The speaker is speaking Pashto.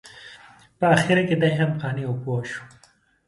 په اخره کې دی هم قانع او پوه شو.